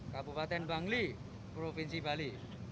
kabupaten bangli provinsi bali